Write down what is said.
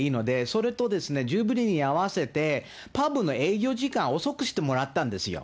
それとですね、ジュビリーに合わせて、パブの営業時間遅くしてもらったんですよ。